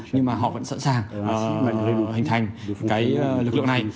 nhưng mà họ vẫn sẵn sàng hình thành cái lực lượng này